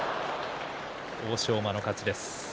欧勝馬の勝ちです。